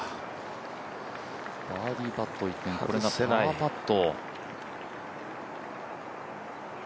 バーディーパット外せばパーパット。